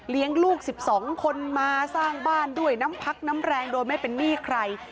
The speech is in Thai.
ลูก๑๒คนมาสร้างบ้านด้วยน้ำพักน้ำแรงโดยไม่เป็นหนี้ใคร